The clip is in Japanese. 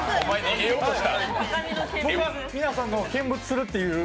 僕は皆さんのを見物するっていう。